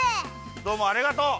どうもありがとう。